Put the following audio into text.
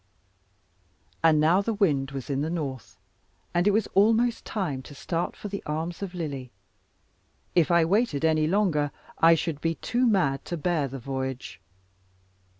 And now the wind was in the north, and it was almost time to start for the arms of Lily. If I waited any longer, I should be too mad to bear the voyage.